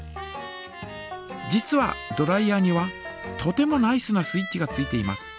実はドライヤーにはとてもナイスなスイッチがついています。